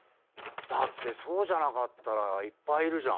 だってそうじゃなかったらいっぱいいるじゃんか。